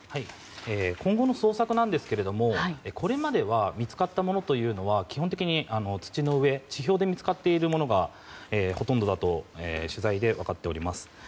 今後の捜索なんですけれどもこれまでは見つかったものは基本的に土の上地表で見つかっているものがほとんどだと取材で分かっております。